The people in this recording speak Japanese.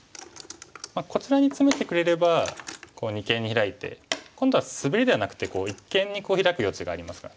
こちらにツメてくれれば二間にヒラいて今度はスベリではなくて一間にヒラく余地がありますからね。